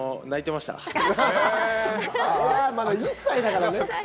まだ１歳だからね。